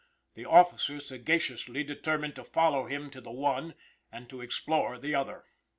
The officers sagaciously determined to follow him to the one and to explore the other.